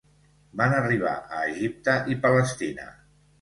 Van arribar a Egipte i Palestina.